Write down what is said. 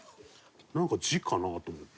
なんか字かなと思って。